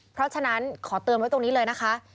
เพราะฉะนั้นขอเตือนไว้ตรงนี้เลยนะคะ